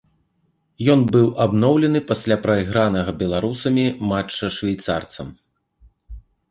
Ён быў абноўлены пасля прайгранага беларусамі матча швейцарцам.